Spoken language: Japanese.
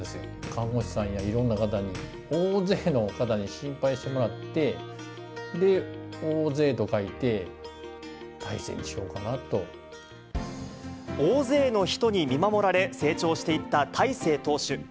看護師さんやいろんな方に、大勢の方に心配してもらって、で、大勢と書いて、大勢の人に見守られ、成長していった大勢投手。